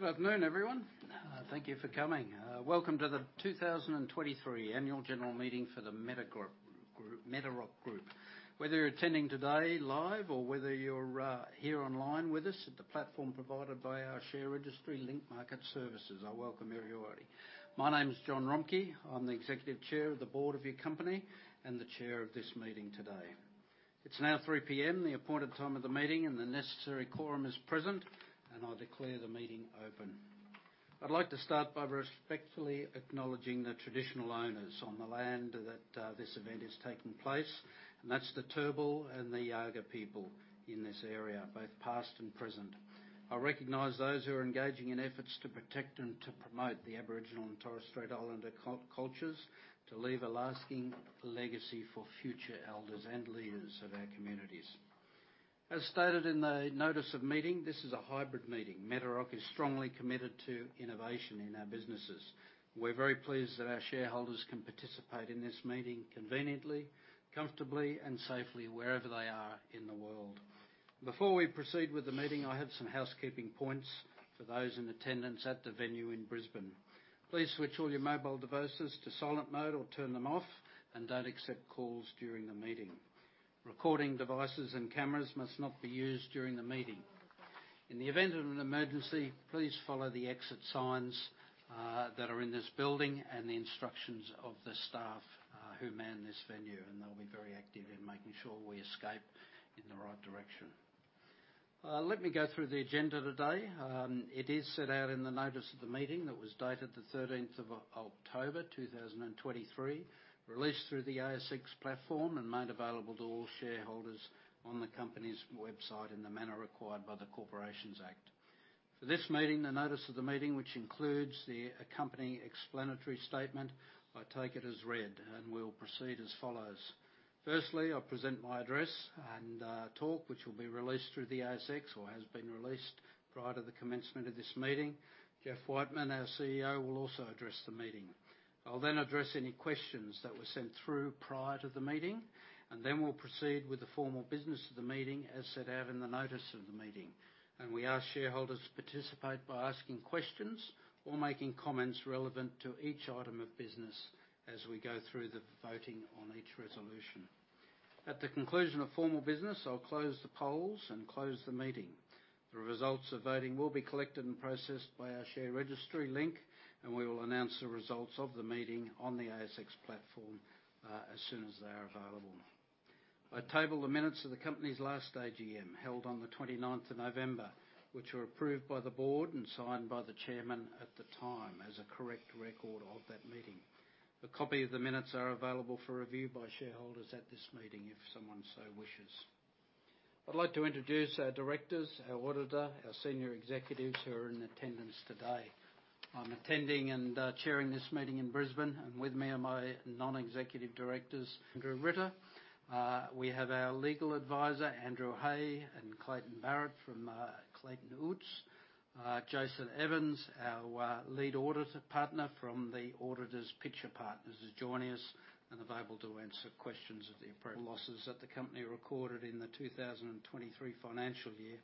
Good afternoon, everyone. Thank you for coming. Welcome to the 2023 Annual General Meeting for the Metarock Group. Whether you're attending today live or whether you're here online with us at the platform provided by our share registry Link Market Services, I welcome you here already. My name is Jon Romcke. I'm the Executive Chair of the board of your company and the chair of this meeting today. It's now 3:00 P.M., the appointed time of the meeting, and the necessary quorum is present, and I declare the meeting open. I'd like to start by respectfully acknowledging the traditional owners on the land that this event is taking place, and that's the Turrbal and the Jagera people in this area, both past and present. I recognize those who are engaging in efforts to protect and to promote the Aboriginal and Torres Strait Islander cultures, to leave a lasting legacy for future elders and leaders of our communities. As stated in the notice of meeting, this is a hybrid meeting. Metarock is strongly committed to innovation in our businesses. We're very pleased that our shareholders can participate in this meeting conveniently, comfortably, and safely, wherever they are in the world. Before we proceed with the meeting, I have some housekeeping points for those in attendance at the venue in Brisbane. Please switch all your mobile devices to silent mode or turn them off, and don't accept calls during the meeting. Recording devices and cameras must not be used during the meeting. In the event of an emergency, please follow the exit signs that are in this building and the instructions of the staff who man this venue, and they'll be very active in making sure we escape in the right direction. Let me go through the agenda today. It is set out in the notice of the meeting that was dated the 13th of October 2023, released through the ASX platform and made available to all shareholders on the company's website in the manner required by the Corporations Act. For this meeting, the notice of the meeting, which includes the accompanying explanatory statement, I take it, as read, and we'll proceed as follows. Firstly, I'll present my address and talk, which will be released through the ASX or has been released prior to the commencement of this meeting. Jeff Whiteman, our CEO, will also address the meeting. I'll then address any questions that were sent through prior to the meeting, and then we'll proceed with the formal business of the meeting, as set out in the notice of the meeting. We ask shareholders to participate by asking questions or making comments relevant to each item of business as we go through the voting on each resolution. At the conclusion of formal business, I'll close the polls and close the meeting. The results of voting will be collected and processed by our share registry Link, and we will announce the results of the meeting on the ASX platform, as soon as they are available. I table the minutes of the company's last AGM, held on the 29th of November, which were approved by the board and signed by the chairman at the time as a correct record of that meeting. A copy of the minutes are available for review by shareholders at this meeting if someone so wishes. I'd like to introduce our directors, our auditor, our senior executives, who are in attendance today. I'm attending and chairing this meeting in Brisbane, and with me are my non-executive directors, Andrew Ritter. We have our legal advisor, Andrew Hay, and Clayton Barrett from Clayton Utz. Jason Evans, our lead auditor partner from the auditors Pitcher Partners, is joining us and available to answer questions of the reported losses that the company recorded in the 2023 financial year.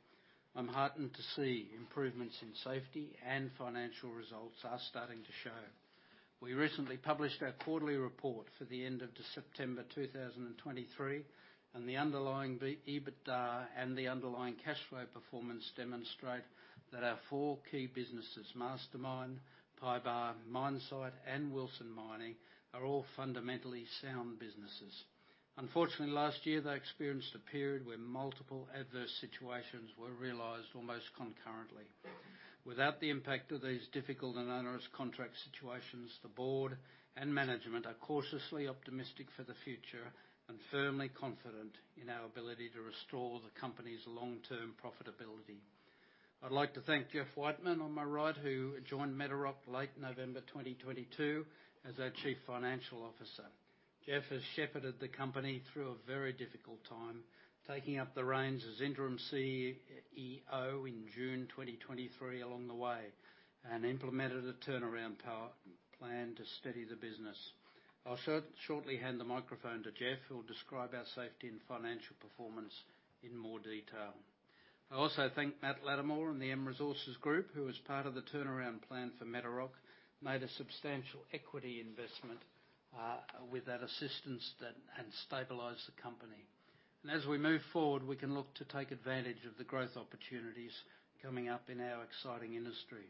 I'm heartened to see improvements in safety and financial results are starting to show. We recently published our quarterly report for the end of September 2023, and the underlying, the EBITDA and the underlying cash flow performance demonstrate that our four key businesses, Mastermyne, PYBAR, MyneSight, and Wilson Mining, are all fundamentally sound businesses. Unfortunately, last year, they experienced a period where multiple adverse situations were realized almost concurrently. Without the impact of these difficult and onerous contract situations, the board and management are cautiously optimistic for the future and firmly confident in our ability to restore the company's long-term profitability. I'd like to thank Jeff Whiteman on my right, who joined Metarock late November 2022 as our Chief Financial Officer. Jeff has shepherded the company through a very difficult time, taking up the reins as interim CEO in June 2023 along the way, and implemented a turnaround power plan to steady the business. I'll shortly hand the microphone to Jeff, who'll describe our safety and financial performance in more detail. I also thank Matt Latimore and the M Resources Group, who is part of the turnaround plan for Metarock, made a substantial equity investment, with that assistance that-- and stabilized the company. As we move forward, we can look to take advantage of the growth opportunities coming up in our exciting industry.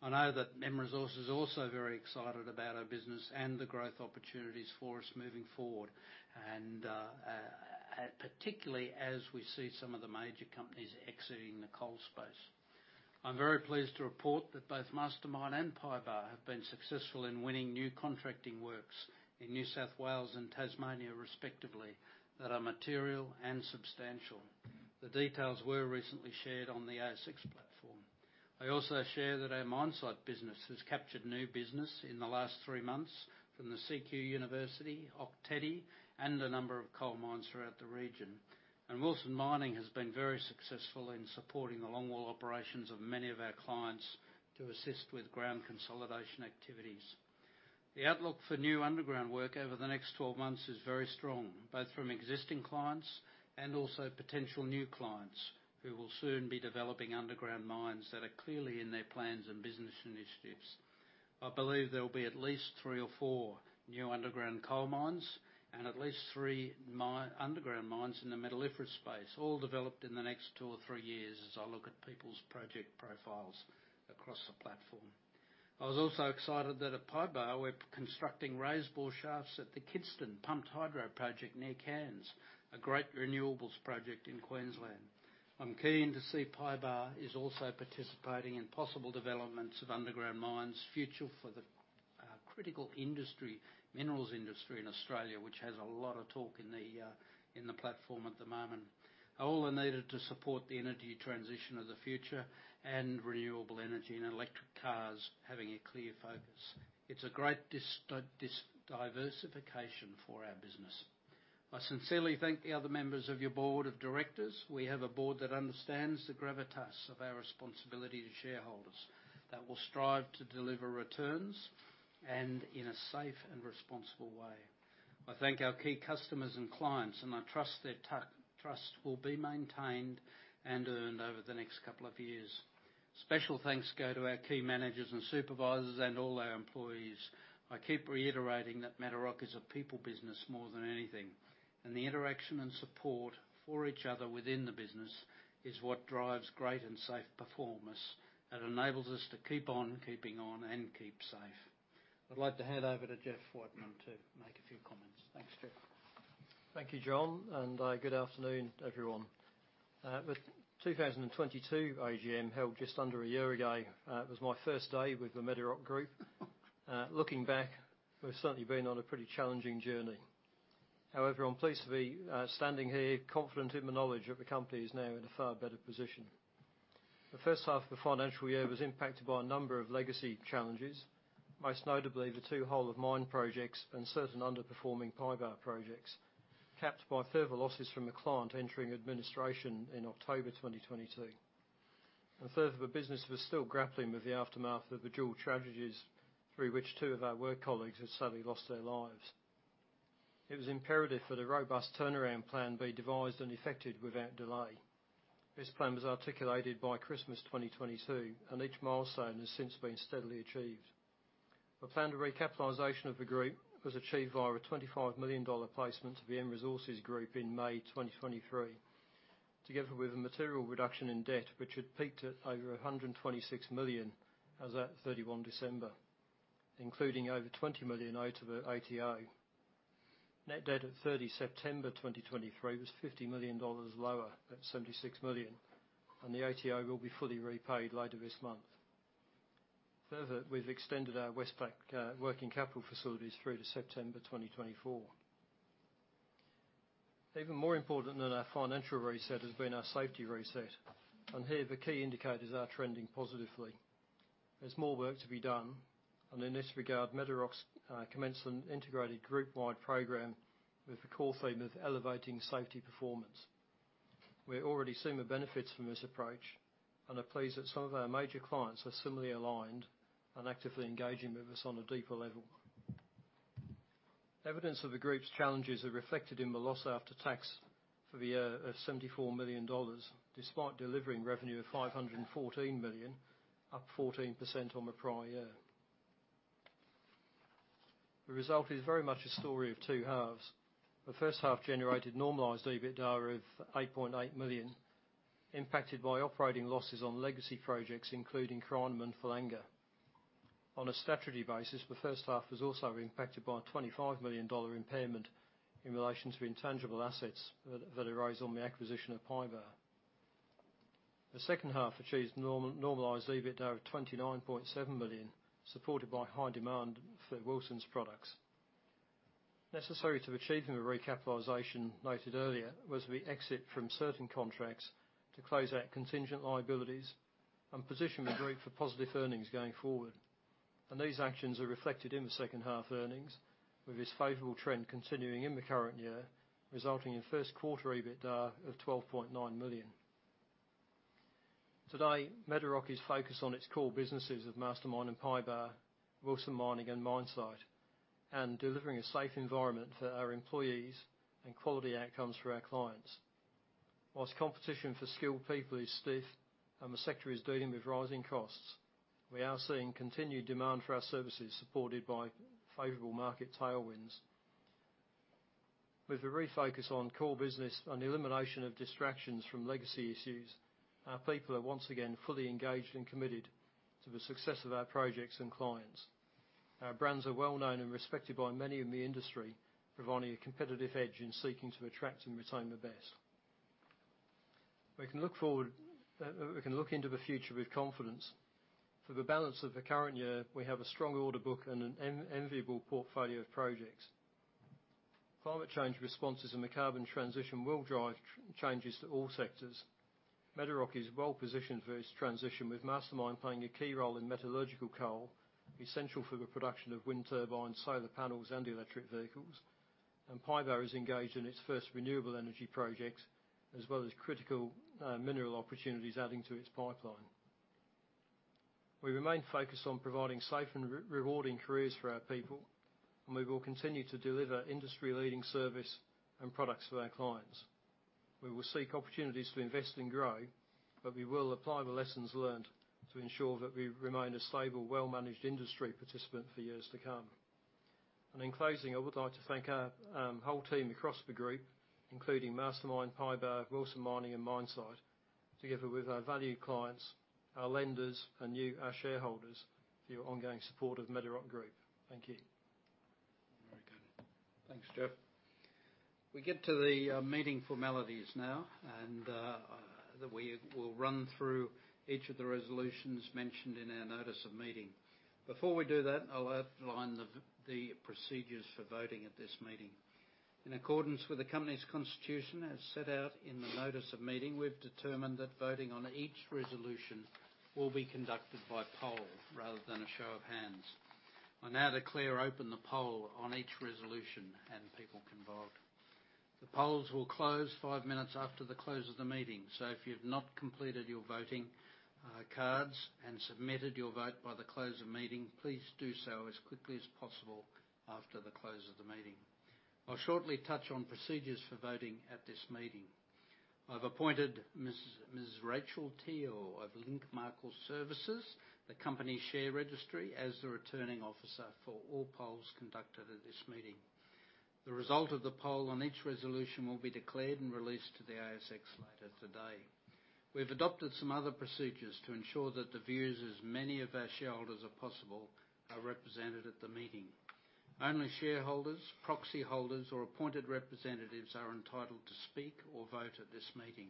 I know that M Resources is also very excited about our business and the growth opportunities for us moving forward, and, particularly as we see some of the major companies exiting the coal space. I'm very pleased to report that both Mastermyne and PYBAR have been successful in winning new contracting works in New South Wales and Tasmania, respectively, that are material and substantial. The details were recently shared on the ASX platform. I also share that our MyneSight business has captured new business in the last three months from the CQ University, Ok Tedi, and a number of coal mines throughout the region. Wilson Mining has been very successful in supporting the longwall operations of many of our clients to assist with ground consolidation activities. The outlook for new underground work over the next 12 months is very strong, both from existing clients and also potential new clients, who will soon be developing underground mines that are clearly in their plans and business initiatives. I believe there will be at least three or four new underground coal mines, and at least three underground mines in the metalliferous space, all developed in the next two or three years as I look at people's project profiles across the platform. I was also excited that at PYBAR, we're constructing raise bore shafts at the Kidston Pumped Hydro Project near Cairns, a great renewables project in Queensland. I'm keen to see PYBAR is also participating in possible developments of underground mines, future for the critical minerals industry in Australia, which has a lot of talk in the platform at the moment. All are needed to support the energy transition of the future and renewable energy and electric cars, having a clear focus. It's a great diversification for our business. I sincerely thank the other members of your board of directors. We have a board that understands the gravitas of our responsibility to shareholders, that will strive to deliver returns and in a safe and responsible way. I thank our key customers and clients, and I trust their trust will be maintained and earned over the next couple of years. Special thanks go to our key managers and supervisors and all our employees. I keep reiterating that Metarock is a people business more than anything, and the interaction and support for each other within the business is what drives great and safe performance, and enables us to keep on keeping on and keep safe. I'd like to hand over to Jeff Whiteman to make a few comments. Thanks, Jeff. Thank you, Jon, and good afternoon, everyone. The 2022 AGM, held just under a year ago, was my first day with the Metarock Group. Looking back, we've certainly been on a pretty challenging journey. However, I'm pleased to be standing here, confident in the knowledge that the company is now in a far better position. The first half of the financial year was impacted by a number of legacy challenges, most notably the two whole of mine projects and certain underperforming PYBAR projects, capped by further losses from a client entering administration in October 2022. A third of the business was still grappling with the aftermath of the dual tragedies, through which two of our work colleagues had suddenly lost their lives. It was imperative that a robust turnaround plan be devised and effected without delay. This plan was articulated by Christmas 2022, and each milestone has since been steadily achieved. The plan to recapitalization of the group was achieved via an 25 million dollar placement to the M Resources Group in May 2023, together with a material reduction in debt, which had peaked at over 126 million as at 31 December, including over 20 million out of the ATO. Net debt at 30 September 2023, was 50 million dollars lower at 76 million, and the ATO will be fully repaid later this month. Further, we've extended our Westpac working capital facilities through to September 2024. Even more important than our financial reset has been our safety reset, and here the key indicators are trending positively. There's more work to be done, and in this regard, Metarock's commenced an integrated groupwide program with the core theme of elevating safety performance. We're already seeing the benefits from this approach, and are pleased that some of our major clients are similarly aligned and actively engaging with us on a deeper level. Evidence of the group's challenges are reflected in the loss after tax for the year of 74 million dollars, despite delivering revenue of 514 million, up 14% on the prior year. The result is very much a story of two halves. The first half generated normalized EBITDA of 8.8 million, impacted by operating losses on legacy projects, including Crinum and Thalanga. On a statutory basis, the first half was also impacted by a AUD 25 million impairment in relation to intangible assets that arose on the acquisition of PYBAR. The second half achieved normalized EBITDA of 29.7 million, supported by high demand for Wilson's products. Necessary to achieving the recapitalization noted earlier, was the exit from certain contracts to close out contingent liabilities and position the group for positive earnings going forward. These actions are reflected in the second half earnings, with this favorable trend continuing in the current year, resulting in first quarter EBITDA of 12.9 million. Today, Metarock is focused on its core businesses of Mastermyne and PYBAR, Wilson Mining and MyneSight, and delivering a safe environment for our employees and quality outcomes for our clients. While competition for skilled people is stiff and the sector is dealing with rising costs, we are seeing continued demand for our services, supported by favorable market tailwinds. With a refocus on core business and elimination of distractions from legacy issues, our people are once again fully engaged and committed to the success of our projects and clients. Our brands are well known and respected by many in the industry, providing a competitive edge in seeking to attract and retain the best. We can look forward, we can look into the future with confidence. For the balance of the current year, we have a strong order book and an enviable portfolio of projects. Climate change responses and the carbon transition will drive changes to all sectors. Metarock is well positioned for this transition, with Mastermyne playing a key role in metallurgical coal, essential for the production of wind turbines, solar panels and electric vehicles.... And PYBAR is engaged in its first renewable energy projects, as well as critical, mineral opportunities adding to its pipeline. We remain focused on providing safe and rewarding careers for our people, and we will continue to deliver industry-leading service and products for our clients. We will seek opportunities to invest and grow, but we will apply the lessons learned to ensure that we remain a stable, well-managed industry participant for years to come. In closing, I would like to thank our whole team across the group, including Mastermyne, PYBAR, Wilson Mining, and MyneSight, together with our valued clients, our lenders, and you, our shareholders, for your ongoing support of Metarock Group. Thank you. Very good. Thanks, Jeff. We get to the meeting formalities now, and that we will run through each of the resolutions mentioned in our notice of meeting. Before we do that, I'll outline the procedures for voting at this meeting. In accordance with the company's constitution, as set out in the notice of meeting, we've determined that voting on each resolution will be conducted by poll rather than a show of hands. I'll now declare open the poll on each resolution, and people can vote. The polls will close five minutes after the close of the meeting, so if you've not completed your voting, cards and submitted your vote by the close of meeting, please do so as quickly as possible after the close of the meeting. I'll shortly touch on procedures for voting at this meeting. I've appointed Mrs. Rachel Teale of Link Market Services, the company share registry, as the Returning Officer for all polls conducted at this meeting. The result of the poll on each resolution will be declared and released to the ASX later today. We've adopted some other procedures to ensure that the views of as many of our shareholders as possible are represented at the meeting. Only shareholders, proxy holders, or appointed representatives are entitled to speak or vote at this meeting.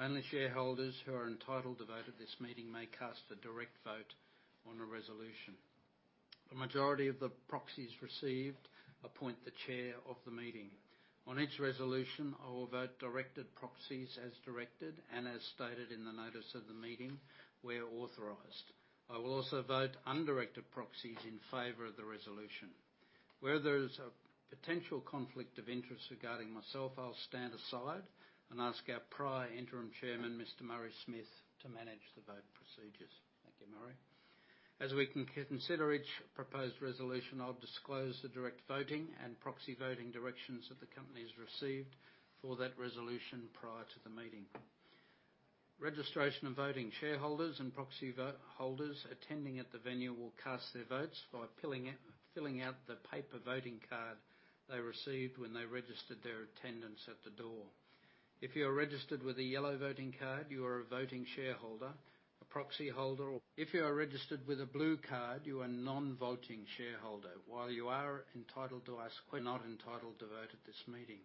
Only shareholders who are entitled to vote at this meeting may cast a direct vote on a resolution. The majority of the proxies received appoint the chair of the meeting. On each resolution, I will vote directed proxies as directed and as stated in the notice of the meeting where authorized. I will also vote undirected proxies in favor of the resolution. Where there is a potential conflict of interest regarding myself, I'll stand aside and ask our prior interim chairman, Mr. Murray Smith, to manage the voting procedures. Thank you, Murray. As we consider each proposed resolution, I'll disclose the direct voting and proxy voting directions that the company's received for that resolution prior to the meeting. Registration and voting. Shareholders and proxy vote holders attending at the venue will cast their votes by filling out the paper voting card they received when they registered their attendance at the door. If you are registered with a yellow voting card, you are a voting shareholder, a proxy holder, or if you are registered with a blue card, you are a non-voting shareholder. While you are entitled to ask, you are not entitled to vote at this meeting.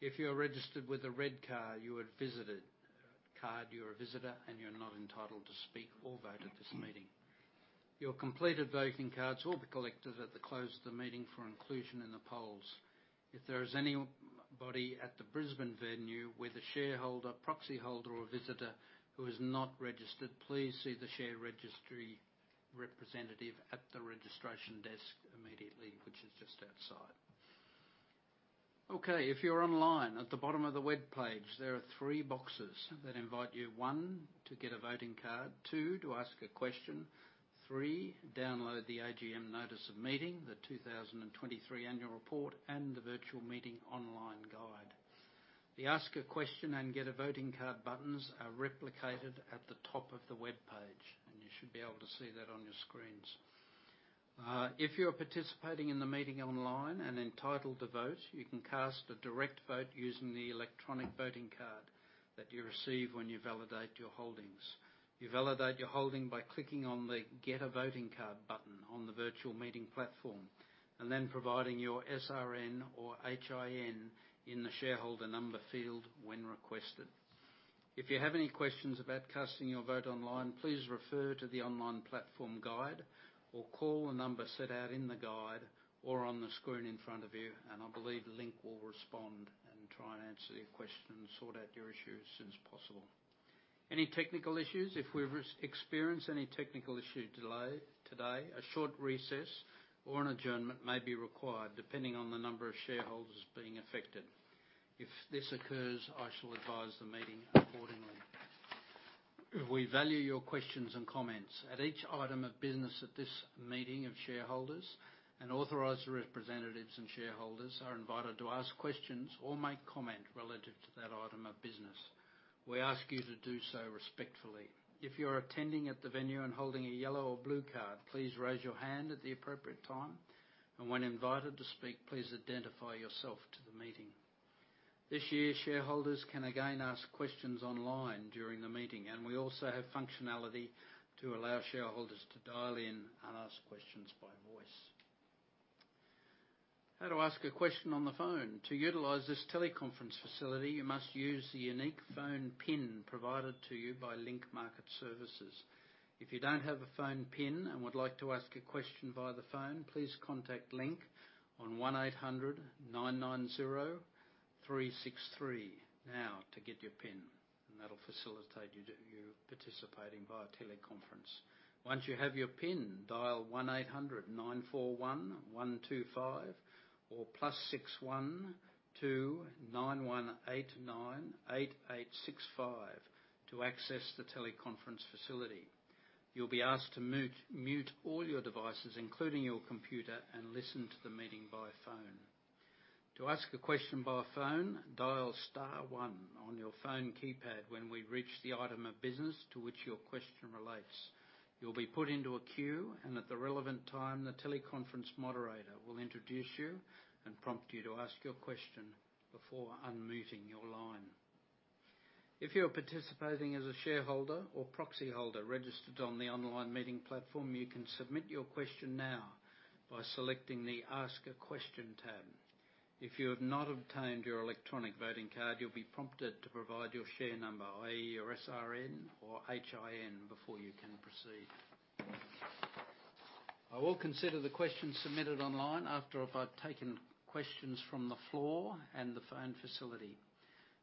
If you are registered with a red card, you are a visitor card, you are a visitor, and you're not entitled to speak or vote at this meeting. Your completed voting cards will be collected at the close of the meeting for inclusion in the polls. If there is anybody at the Brisbane venue, whether shareholder, proxy holder, or visitor, who is not registered, please see the share registry representative at the registration desk immediately, which is just outside. Okay, if you're online, at the bottom of the webpage, there are three boxes that invite you, one, to get a voting card. Two, to ask a question. Three, download the AGM notice of meeting, the 2023 annual report, and the virtual meeting online guide. The Ask a Question and Get a Voting Card buttons are replicated at the top of the webpage, and you should be able to see that on your screens. If you are participating in the meeting online and entitled to vote, you can cast a direct vote using the electronic voting card that you receive when you validate your holdings. You validate your holding by clicking on the Get a Voting Card button on the virtual meeting platform, and then providing your SRN or HIN in the shareholder number field when requested. If you have any questions about casting your vote online, please refer to the online platform guide, or call the number set out in the guide or on the screen in front of you, and I believe Link will respond and try and answer your question and sort out your issue as soon as possible. Any technical issues? If we re-experience any technical issue or delay today, a short recess or an adjournment may be required, depending on the number of shareholders being affected. If this occurs, I shall advise the meeting accordingly. We value your questions and comments. At each item of business at this Meeting of Shareholders, authorized representatives and shareholders are invited to ask questions or make comment relative to that item of business. We ask you to do so respectfully. If you are attending at the venue and holding a yellow or blue card, please raise your hand at the appropriate time. When invited to speak, please identify yourself to the meeting. This year, shareholders can again ask questions online during the meeting, and we also have functionality to allow shareholders to dial in and ask questions by voice. How to ask a question on the phone? To utilize this teleconference facility, you must use the unique phone PIN provided to you by Link Market Services. If you don't have a phone PIN and would like to ask a question via the phone, please contact Link on 1-800-990-363 now to get your PIN, and that'll facilitate you to- you participating via teleconference. Once you have your PIN, dial 1800 941 125 or +61 2 9189 865 to access the teleconference facility. You'll be asked to mute, mute all your devices, including your computer, and listen to the meeting by phone. To ask a question by phone, dial star one on your phone keypad when we reach the item of business to which your question relates. You'll be put into a queue, and at the relevant time, the teleconference moderator will introduce you and prompt you to ask your question before unmuting your line. If you are participating as a shareholder or proxyholder registered on the online meeting platform, you can submit your question now by selecting the Ask a Question tab. If you have not obtained your electronic voting card, you'll be prompted to provide your share number, i.e., your SRN or HIN, before you can proceed. I will consider the questions submitted online after I've taken questions from the floor and the phone facility.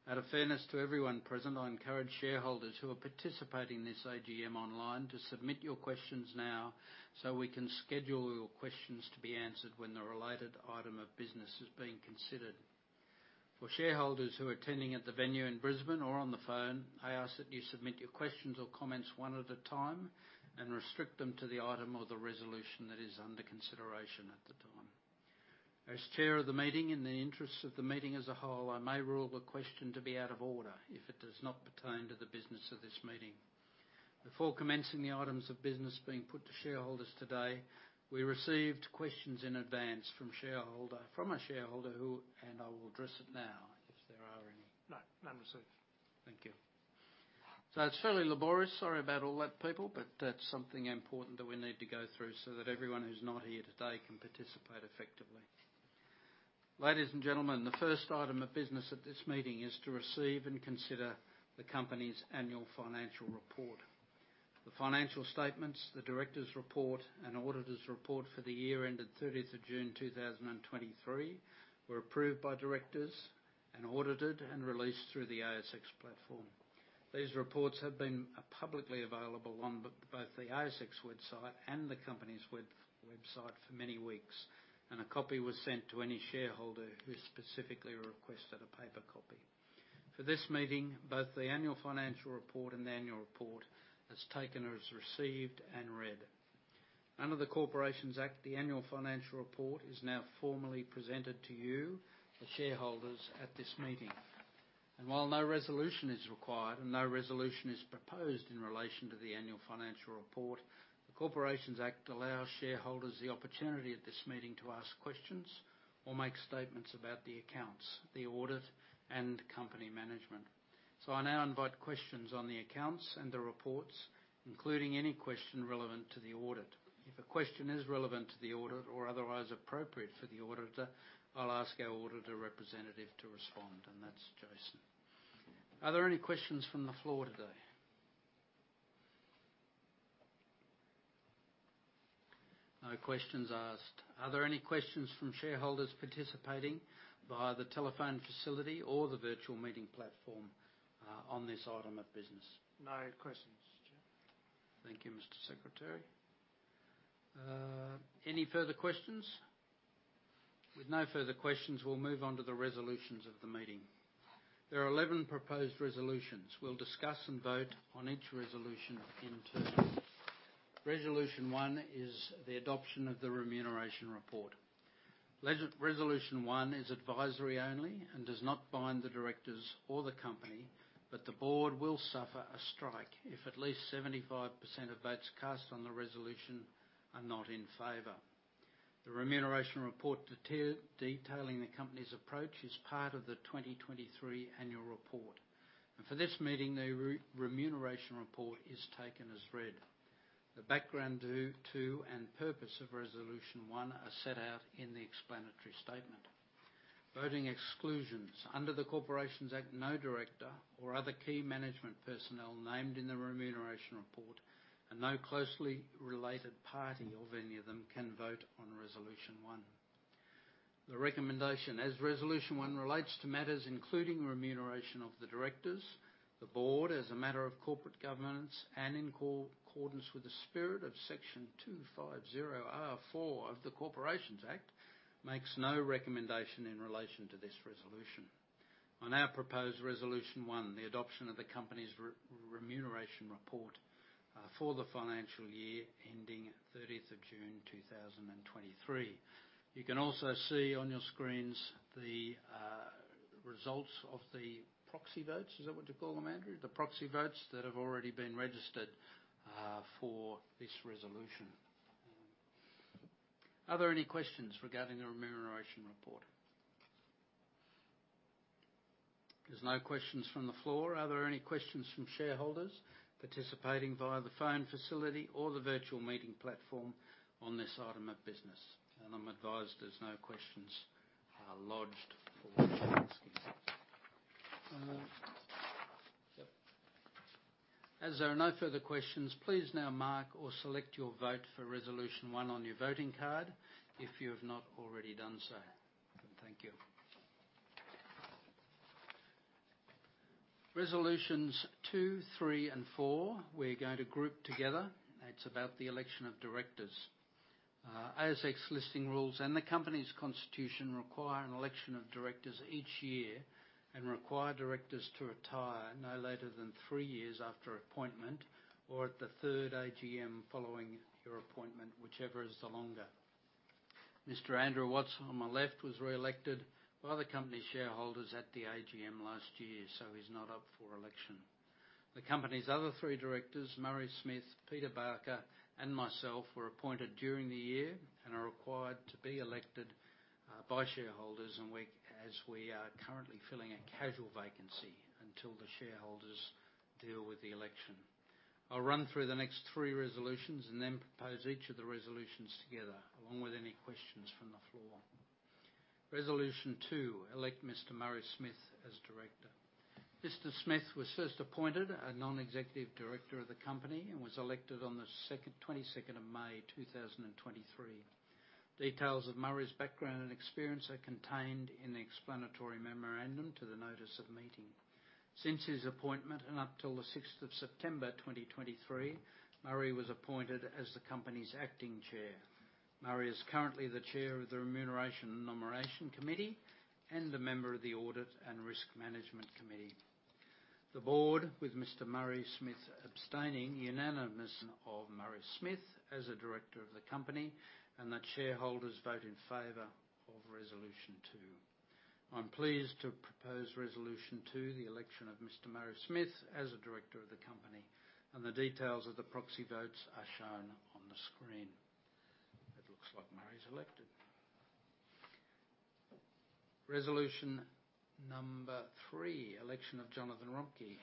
Out of fairness to everyone present, I encourage shareholders who are participating in this AGM online to submit your questions now, so we can schedule your questions to be answered when the related item of business is being considered. For shareholders who are attending at the venue in Brisbane or on the phone, I ask that you submit your questions or comments one at a time and restrict them to the item or the resolution that is under consideration at the time. As chair of the meeting, in the interests of the meeting as a whole, I may rule the question to be out of order if it does not pertain to the business of this meeting. Before commencing the items of business being put to shareholders today, we received questions in advance from a shareholder who... And I will address it now, if there are any. No, none received. Thank you. So it's fairly laborious. Sorry about all that, people, but that's something important that we need to go through so that everyone who's not here today can participate effectively. Ladies and gentlemen, the first item of business at this meeting is to receive and consider the company's annual financial report. The financial statements, the directors' report, and auditors' report for the year ended 30th of June, 2023, were approved by directors and audited and released through the ASX platform. These reports have been publicly available on both the ASX website and the company's website for many weeks, and a copy was sent to any shareholder who specifically requested a paper copy. For this meeting, both the annual financial report and the annual report is taken or is received and read. Under the Corporations Act, the annual financial report is now formally presented to you, the shareholders, at this meeting. While no resolution is required and no resolution is proposed in relation to the annual financial report, the Corporations Act allows shareholders the opportunity at this meeting to ask questions or make statements about the accounts, the audit, and company management. So I now invite questions on the accounts and the reports, including any question relevant to the audit. If a question is relevant to the audit or otherwise appropriate for the auditor, I'll ask our auditor representative to respond, and that's Jason. Are there any questions from the floor today? No questions asked. Are there any questions from shareholders participating via the telephone facility or the virtual meeting platform on this item of business? No questions, Chair. Thank you, Mr. Secretary. Any further questions? With no further questions, we'll move on to the resolutions of the meeting. There are 11 proposed resolutions. We'll discuss and vote on each resolution in turn. Resolution 1 is the adoption of the remuneration report. Resolution 1 is advisory only and does not bind the directors or the company, but the board will suffer a strike if at least 75% of votes cast on the resolution are not in favor. The remuneration report detailing the company's approach is part of the 2023 annual report. For this meeting, the remuneration report is taken as read. The background to and purpose of Resolution 1 are set out in the explanatory statement. Voting exclusions. Under the Corporations Act, no director or other key management personnel named in the remuneration report, and no closely related party of any of them can vote on Resolution 1. The recommendation. As Resolution 1 relates to matters including remuneration of the directors, the board, as a matter of corporate governance and in accordance with the spirit of Section 250R(4) of the Corporations Act, makes no recommendation in relation to this resolution. On our proposed Resolution 1, the adoption of the company's remuneration report for the financial year ending 30th of June, 2023. You can also see on your screens the results of the proxy votes. Is that what you call them, Andrew? The proxy votes that have already been registered for this resolution. Are there any questions regarding the remuneration report? There's no questions from the floor. Are there any questions from shareholders participating via the phone facility or the virtual meeting platform on this item of business? And I'm advised there's no questions lodged for the meeting. As there are no further questions, please now mark or select your vote for Resolution 1 on your voting card, if you have not already done so. Thank you. Resolutions 2, 3, and 4, we're going to group together. It's about the election of directors. ASX listing rules and the company's constitution require an election of directors each year and require directors to retire no later than three years after appointment, or at the third AGM following your appointment, whichever is the longer. Mr. Andrew Watts, on my left, was re-elected by the company shareholders at the AGM last year, so he's not up for election. The company's other three directors, Murray Smith, Peter Barker, and myself, were appointed during the year and are required to be elected by shareholders, and as we are currently filling a casual vacancy until the shareholders deal with the election. I'll run through the next three resolutions and then propose each of the resolutions together, along with any questions from the floor. Resolution 2: elect Mr. Murray Smith as Director. Mr. Smith was first appointed a non-executive director of the company and was elected on the 2nd, 22nd of May, 2023. Details of Murray's background and experience are contained in the explanatory memorandum to the notice of meeting. Since his appointment, and up till the 6th of September, 2023, Murray was appointed as the company's acting chair. Murray is currently the chair of the Remuneration and Nomination Committee and a member of the Audit and Risk Management Committee. The board, with Mr. Murray Smith abstaining, unanimous of Murray Smith as a director of the company, and that shareholders vote in favor of Resolution 2. I'm pleased to propose Resolution 2, the election of Mr. Murray Smith as a director of the company, and the details of the proxy votes are shown on the screen. It looks like Murray's elected. Resolution number three, election of Jon Romcke.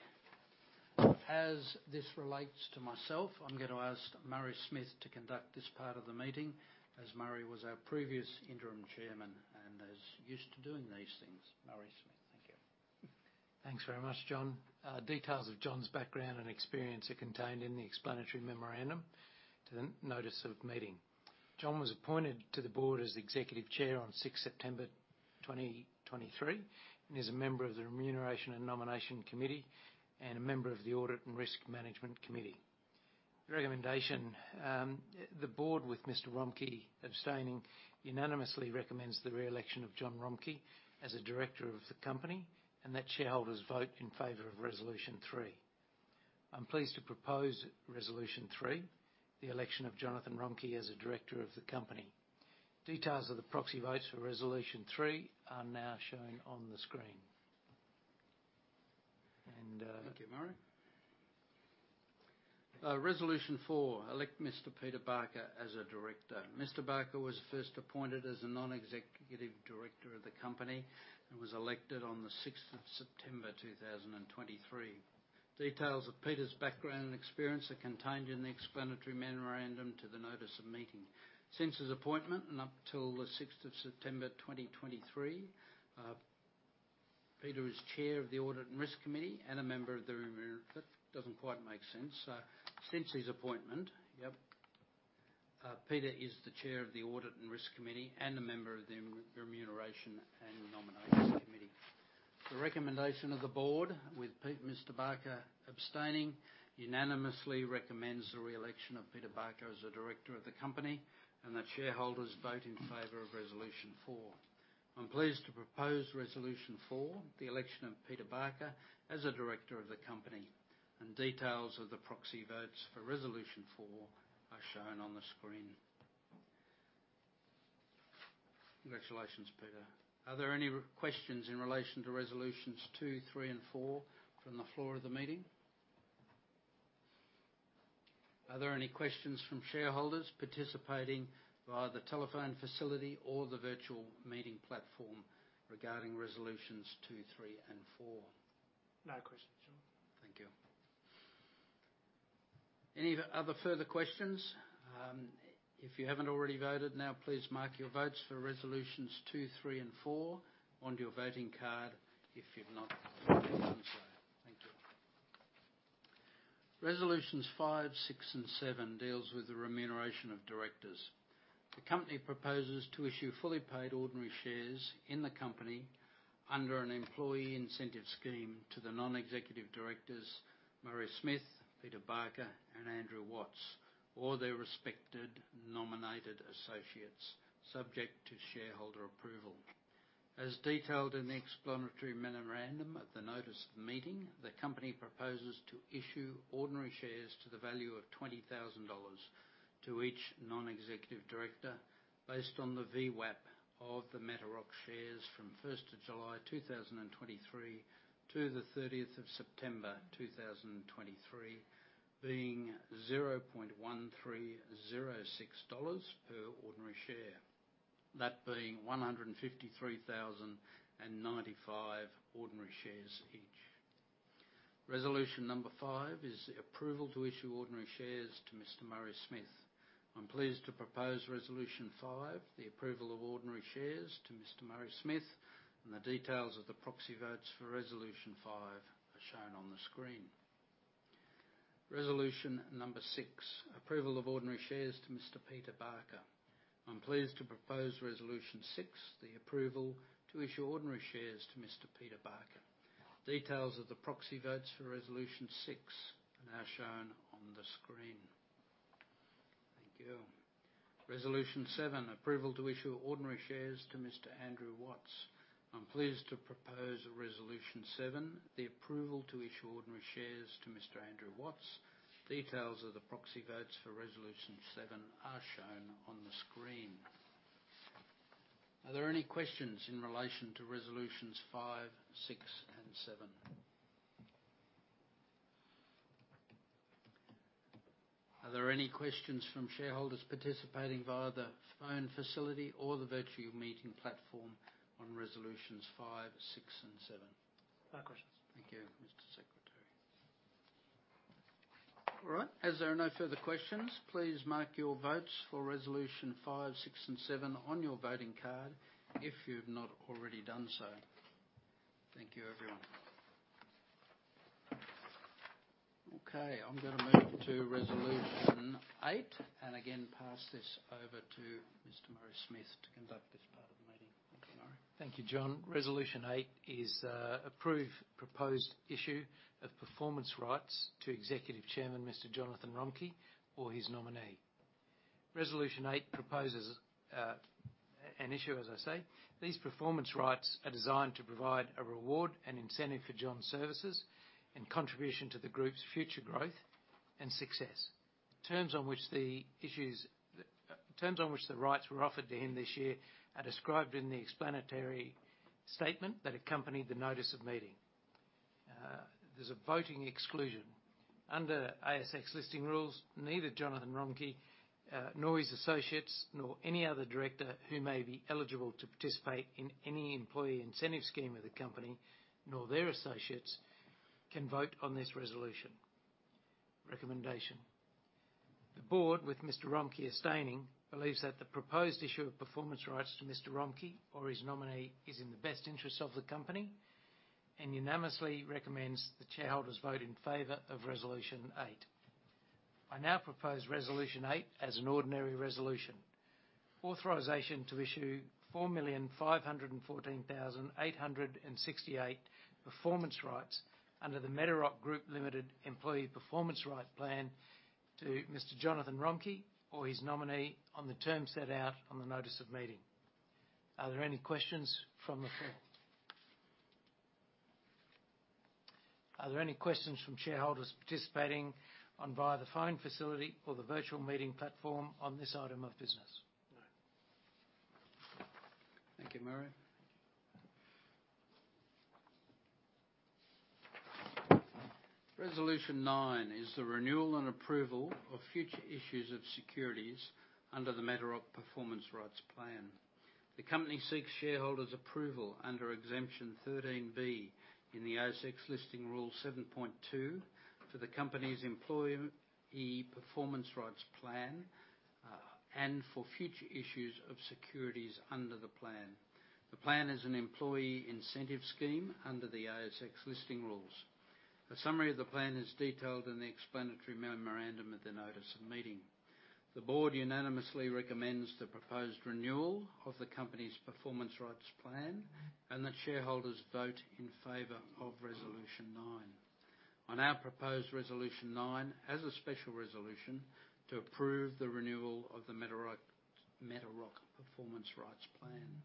As this relates to myself, I'm gonna ask Murray Smith to conduct this part of the meeting, as Murray was our previous interim chairman and is used to doing these things. Murray Smith, thank you. Thanks very much, Jon. Details of Jon's background and experience are contained in the explanatory memorandum to the notice of meeting. Jon was appointed to the board as Executive Chair on 6th September 2023, and is a member of the Remuneration and Nomination Committee and a member of the Audit and Risk Management Committee. The recommendation, the board, with Mr. Romcke abstaining, unanimously recommends the re-election of Jon Romcke as a director of the company and that shareholders vote in favor of Resolution 3. I'm pleased to propose Resolution 3, the election of Jon Romcke as a director of the company. Details of the proxy votes for Resolution 3 are now shown on the screen. Thank you, Murray. Resolution 4, elect Mr. Peter Barker as a director. Mr. Barker was first appointed as a non-executive director of the company and was elected on the 6th of September, 2023. Details of Peter's background and experience are contained in the explanatory memorandum to the notice of meeting. Since his appointment, and up till the 6th of September, 2023, Peter is chair of the Audit and Risk Committee and a member of the Rem... That doesn't quite make sense. Since his appointment, Peter is the chair of the Audit and Risk Committee and a member of the Remuneration and Nominations Committee. The recommendation of the board, with Pete, Mr. Barker, abstaining, unanimously recommends the re-election of Peter Barker as a director of the company and that shareholders vote in favor of Resolution 4. I'm pleased to propose Resolution 4, the election of Peter Barker as a director of the company, and details of the proxy votes for Resolution 4 are shown on the screen. Congratulations, Peter. Are there any questions in relation to Resolutions 2, 3, and 4 from the floor of the meeting? Are there any questions from shareholders participating via the telephone facility or the virtual meeting platform regarding Resolutions 2, 3, and 4? No questions, Jon. Thank you. Any other further questions? If you haven't already voted, now please mark your votes for Resolutions 2, 3, and 4 on your voting card if you've not done so. Thank you. Resolutions 5, 6, and 7 deals with the remuneration of directors. The company proposes to issue fully paid ordinary shares in the company under an employee incentive scheme to the non-executive directors, Murray Smith, Peter Barker, and Andrew Watts, or their respective nominated associates, subject to shareholder approval. As detailed in the explanatory memorandum to the notice of meeting, the company proposes to issue ordinary shares to the value of AUD 20,000 to each non-executive director based on the VWAP of the Metarock shares from July 1, 2023 to September 30, 2023, being 0.1306 dollars per ordinary share, that being 153,095 ordinary shares each. Resolution 5 is the approval to issue ordinary shares to Mr. Murray Smith. I'm pleased to propose Resolution 5, the approval of ordinary shares to Mr. Murray Smith, and the details of the proxy votes for Resolution 5 are shown on the screen. Resolution number 6: approval of ordinary shares to Mr. Peter Barker. I'm pleased to propose Resolution 6, the approval to issue ordinary shares to Mr. Peter Barker. Details of the proxy votes for Resolution 6 are now shown on the screen. Thank you. Resolution 7: approval to issue ordinary shares to Mr. Andrew Watts. I'm pleased to propose Resolution 7, the approval to issue ordinary shares to Mr. Andrew Watts. Details of the proxy votes for Resolution 7 are shown on the screen. Are there any questions in relation to Resolutions 5, 6, and 7? Are there any questions from shareholders participating via the phone facility or the virtual meeting platform on Resolutions 5, 6, and 7? No questions. Thank you, Mr. Secretary. All right. As there are no further questions, please mark your votes for Resolution 5, 6, and 7 on your voting card, if you've not already done so. Thank you, everyone. Okay, I'm gonna move to Resolution 8, and again, pass this over to Mr. Murray Smith to conduct this part of the meeting. Thank you, Murray. Thank you, Jon. Resolution 8 is approve proposed issue of performance rights to Executive Chairman, Mr. Jonathan Romcke, or his nominee. Resolution 8 proposes an issue, as I say. These performance rights are designed to provide a reward and incentive for Jon's services and contribution to the group's future growth and success. The terms on which the rights were offered to him this year are described in the explanatory statement that accompanied the notice of meeting. There's a voting exclusion. Under ASX Listing Rules, neither Jonathan Romcke nor his associates, nor any other director who may be eligible to participate in any employee incentive scheme of the company, nor their associates, can vote on this resolution. Recommendation. The board, with Mr. Romcke abstaining, believes that the proposed issue of performance rights to Mr. Romcke or his nominee is in the best interest of the company and unanimously recommends the shareholders vote in favor of Resolution 8. I now propose Resolution 8 as an ordinary resolution. Authorization to issue 4,514,868 performance rights under the Metarock Group Limited Employee Performance Right Plan to Mr. Jon Romcke or his nominee, on the terms set out on the notice of meeting. Are there any questions from the floor? Are there any questions from shareholders participating on via the phone facility or the virtual meeting platform on this item of business? No. Thank you, Murray. Resolution 9 is the renewal and approval of future issues of securities under the Metarock Performance Rights Plan. The company seeks shareholders' approval under Exception 13(b) in the ASX Listing Rule 7.2 for the company's Employee Performance Rights Plan, and for future issues of securities under the plan. The plan is an employee incentive scheme under the ASX Listing Rules. A summary of the plan is detailed in the explanatory memorandum at the notice of meeting. The board unanimously recommends the proposed renewal of the company's performance rights plan and that shareholders vote in favor of Resolution 9. I now propose Resolution 9 as a special resolution to approve the renewal of the Metarock, Metarock Performance Rights Plan.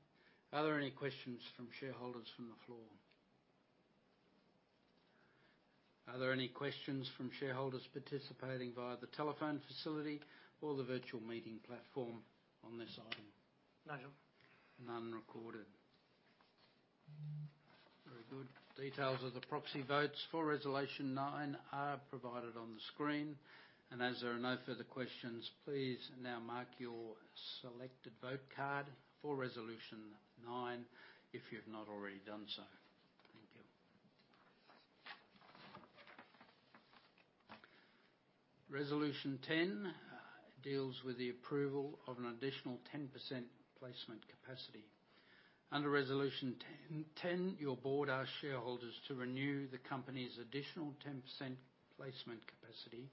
Are there any questions from shareholders from the floor? Are there any questions from shareholders participating via the telephone facility or the virtual meeting platform on this item? No, none recorded. Very good. Details of the proxy votes for Resolution 9 are provided on the screen, and as there are no further questions, please now mark your selected vote card for Resolution 9, if you've not already done so. Thank you. Resolution 10 deals with the approval of an additional 10% placement capacity. Under Resolution 10, your board asks shareholders to renew the company's additional 10% placement capacity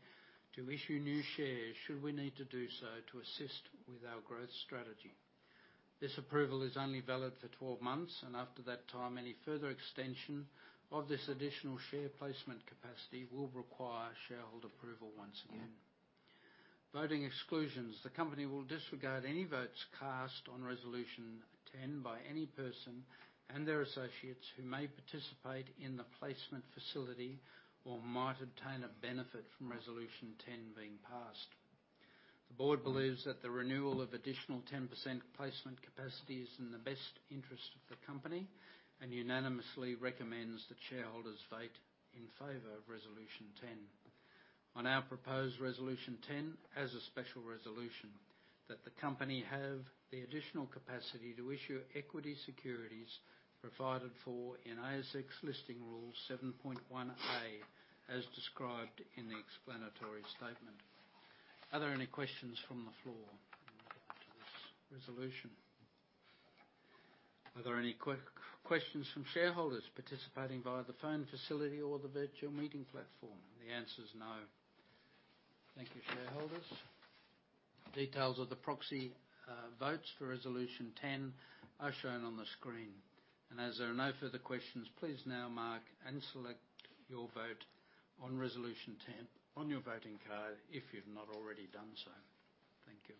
to issue new shares, should we need to do so, to assist with our growth strategy. This approval is only valid for 12 months, and after that time, any further extension of this additional share placement capacity will require shareholder approval once again. Voting exclusions. The company will disregard any votes cast on Resolution 10 by any person and their associates who may participate in the placement facility or might obtain a benefit from Resolution 10 being passed. The board believes that the renewal of additional 10% placement capacity is in the best interest of the company and unanimously recommends that shareholders vote in favor of Resolution 10. I now propose Resolution 10 as a special resolution that the company have the additional capacity to issue equity securities provided for in ASX Listing Rule 7.1A, as described in the explanatory statement. Are there any questions from the floor to this resolution? Are there any quick questions from shareholders participating via the phone facility or the virtual meeting platform? The answer is no. Thank you, shareholders. Details of the proxy votes for Resolution 10 are shown on the screen, and as there are no further questions, please now mark and select your vote on Resolution 10 on your voting card, if you've not already done so. Thank you.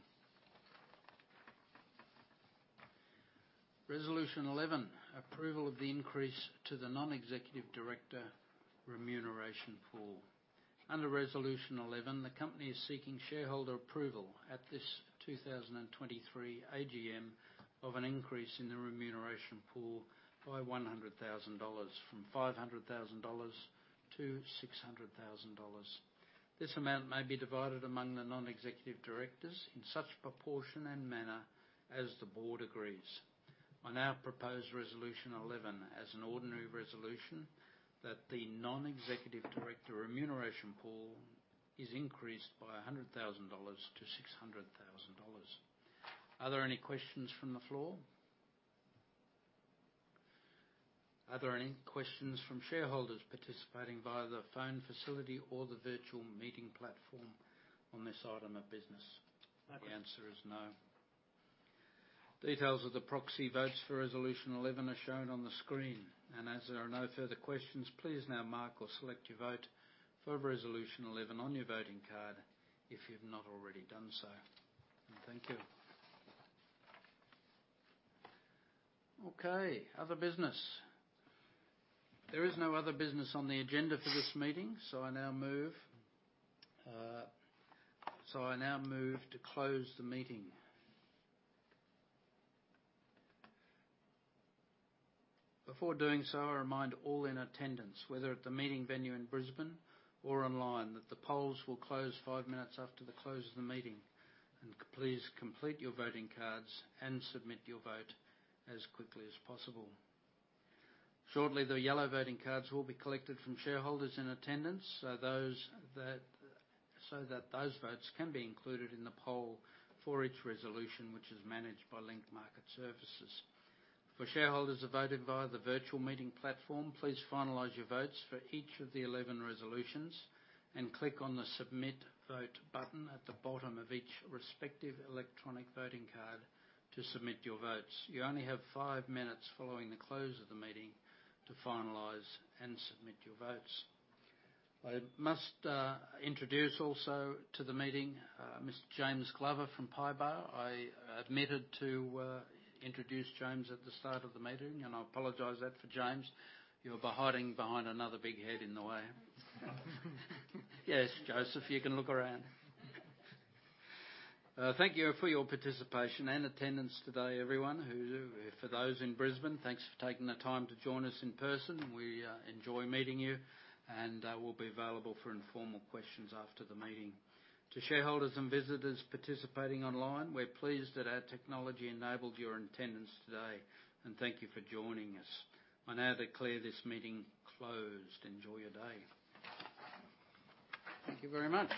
Resolution 11: Approval of the increase to the Non-Executive Director Remuneration Pool. Under Resolution 11, the company is seeking shareholder approval at this 2023 AGM of an increase in the remuneration pool by 100,000 dollars, from 500,000 dollars to 600,000 dollars. This amount may be divided among the Non-Executive Directors in such proportion and manner as the board agrees. I now propose Resolution 11 as an ordinary resolution that the Non-Executive Director Remuneration Pool is increased by 100,000 dollars to 600,000 dollars. Are there any questions from the floor? Are there any questions from shareholders participating via the phone facility or the virtual meeting platform on this item of business? The answer is no. Details of the proxy votes for Resolution 11 are shown on the screen, and as there are no further questions, please now mark or select your vote for Resolution 11 on your voting card, if you've not already done so. Thank you. Okay, other business. There is no other business on the agenda for this meeting, so I now move to close the meeting. Before doing so, I remind all in attendance, whether at the meeting venue in Brisbane or online, that the polls will close 5 minutes after the close of the meeting. Please complete your voting cards and submit your vote as quickly as possible. Shortly, the yellow voting cards will be collected from shareholders in attendance, so that those votes can be included in the poll for each resolution, which is managed by Link Market Services. For shareholders who voted via the virtual meeting platform, please finalize your votes for each of the 11 resolutions and click on the Submit Vote button at the bottom of each respective electronic voting card to submit your votes. You only have 5 minutes following the close of the meeting to finalize and submit your votes. I must introduce also to the meeting Mr. James Glover from PYBAR. I admitted to introduce James at the start of the meeting, and I apologize that for James. You were hiding behind another big head in the way. Yes, Joseph, you can look around. Thank you for your participation and attendance today, everyone. For those in Brisbane, thanks for taking the time to join us in person. We enjoy meeting you, and we'll be available for informal questions after the meeting. To shareholders and visitors participating online, we're pleased that our technology enabled your attendance today, and thank you for joining us. I now declare this meeting closed. Enjoy your day. Thank you very much.